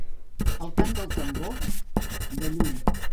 El cant del tambor, de lluny.